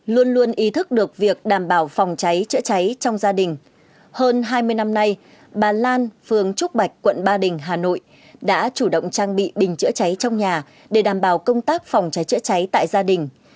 luôn luôn ý thức được việc đảm bảo phòng cháy chữa cháy trong gia đình hơn hai mươi năm nay bà lan phường trúc bạch quận ba đình hà nội đã chủ động trang bị bình chữa cháy trong nhà để đảm bảo công tác phòng cháy chữa cháy tại gia đình